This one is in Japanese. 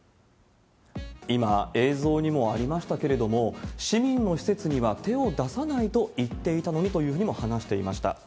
今、映像にもありましたけれども、市民の施設には手を出さないと言っていたのにというふうにも話していました。